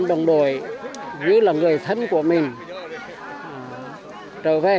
đồng đội như là người thân của mình trở về